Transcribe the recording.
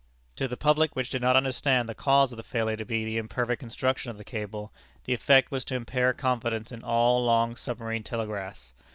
To the public, which did not understand the cause of the failure to be the imperfect construction of the cable, the effect was to impair confidence in all long submarine telegraphs.